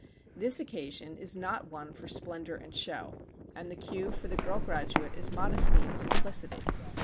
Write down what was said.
This occasion is not one for splendor and show, and the cue for the girl graduate is modesty and simplicity.